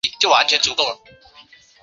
大菩提树备受佛教徒的尊崇。